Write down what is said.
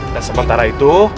dan sementara itu